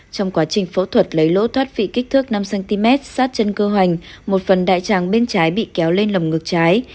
trong quá trình phẫu thuật lấy lỗ thoát vị kích thước năm cm sát chân cơ hoành một phần đại tràng bên trái bị kéo lên lồng ngực trái